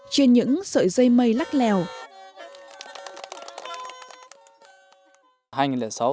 trên những sợi dây mây lắc lèo